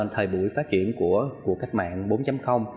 thời buổi phát triển của cách mạng bốn